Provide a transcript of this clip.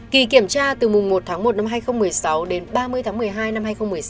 kỳ kiểm tra từ mùng một tháng một năm hai nghìn một mươi sáu đến ba mươi tháng một mươi hai năm hai nghìn một mươi sáu